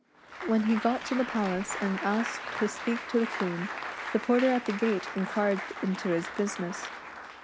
When he got to the palace and asked to speak to the Quee:i, the porter at the gate inquired into his business.